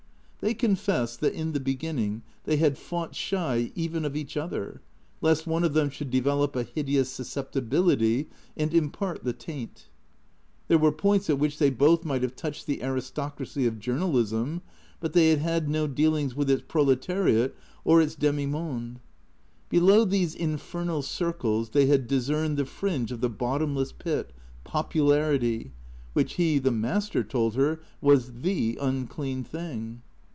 They confessed that, in the beginning, they had fought shy even of each other, lest one of them should develop a hideous suscep tibility and impart the taint. There were points at which they both might have touched the aristocracy of journalism; but they had had no dealings with its proletariat or its demi monde. Below these infernal circles they had discerned the fringe of tlie bottomless pit, popularity, which he, the Master, told her was " the unclean thing."